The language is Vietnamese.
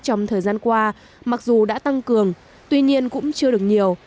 trong thời gian qua mặc dù đã tăng cường tuy nhiên cũng chưa được nhiều